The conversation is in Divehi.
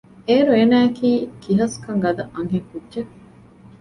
އޭރު އޭނާއަކީ ކިހަސްކަން ގަދަ އަންހެންކުއްޖެއް